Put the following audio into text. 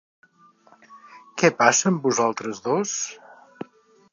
Què passa amb vosaltres dos?